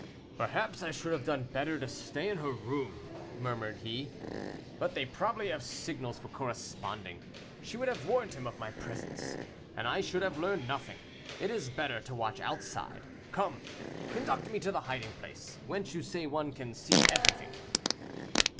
"Perhaps I should have done better to stay in her room," murmured he. "But they probably have signals for corresponding; she would have warned him of my presence, and I should have learned nothing. It is better to watch outside. Come, conduct me to the hiding place, whence you say one can see everything."